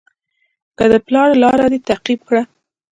که د پلار لاره دې تعقیب کړه.